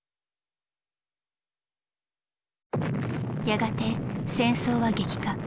やがて戦争は激化。